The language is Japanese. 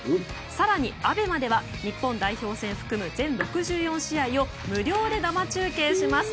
更にＡＢＥＭＡでは日本代表戦含む全６４試合を全６４試合を無料で生中継します。